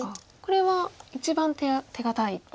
これは一番手堅い。